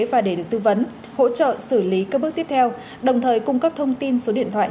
và để được tư vấn hỗ trợ xử lý các bước tiếp theo đồng thời cung cấp thông tin số điện thoại